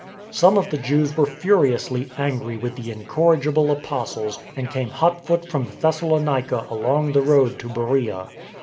Some of the Jews were furi ously angry with the incorrigible apostles and came hot foot from Thessalonica along the road to Beroea.